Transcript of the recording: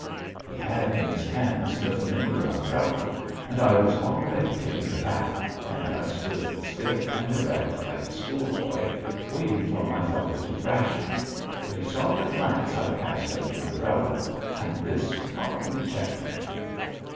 He had in his hands the familiar umbrella, and I was already taken aback, and I stood stiff and erect, like a schoolboy, waiting for my father to thrash me, but he saw the glance I cast at the umbrella and this probably checked him.